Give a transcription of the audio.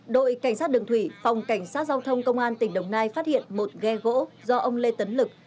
đội cảnh sát đường thủy phòng cảnh sát giao thông công an tỉnh đồng nai phát hiện một ghe gỗ do ông lê tấn lực